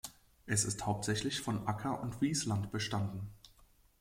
Es ist hauptsächlich von Acker- und Wiesland bestanden.